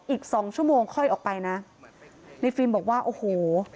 อีกสองชั่วโมงค่อยออกไปนะในฟิล์มบอกว่าโอ้โห